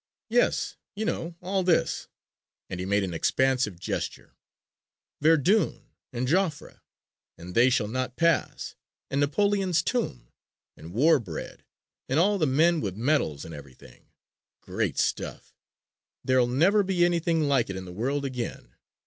"Yes, you know, all this," and he made an expansive gesture, "Verdun, and Joffre, and 'they shall not pass,' and Napoleon's tomb, and war bread, and all the men with medals and everything. Great stuff! There'll never be anything like it in the world again.